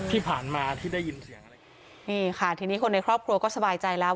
ที่ผ่านมาที่ได้ยินเสียงอะไรนี่ค่ะทีนี้คนในครอบครัวก็สบายใจแล้ว